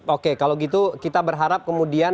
oke kalau gitu kita berharap kemudian